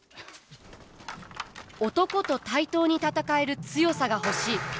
男と対等に戦える強さが欲しい。